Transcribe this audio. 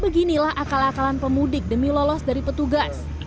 beginilah akal akalan pemudik demi lolos dari petugas